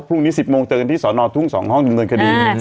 พรุ่งนี้สิบโมงเติดในศรนนอดทุ่งสองห้องจุดวนคดี